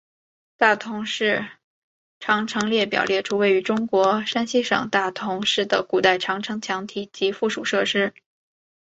大同市长城列表列出位于中国山西省大同市的古代长城墙体及附属设施。